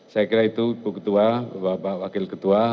saya kira itu ibu ketua bapak wakil ketua